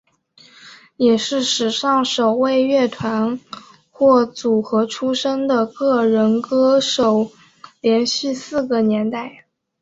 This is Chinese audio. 也是史上首位乐团或组合出身的个人歌手连续四个年代。